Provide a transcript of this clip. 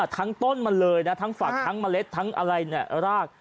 ทั้งต้นมาเลยนะทั้งฝักทั้งเมล็ดทั้งอะไรเนี่ยราก